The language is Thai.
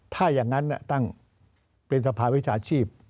ถ้าอย่างนั้นตั้งเป็นสภาวิชาชีพ